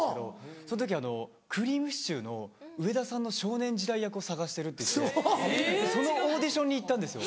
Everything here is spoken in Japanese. その時くりぃむしちゅーの上田さんの少年時代役を探してるっていってそのオーディションに行ったんですよ。